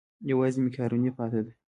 یوازې مېکاروني پاتې ده.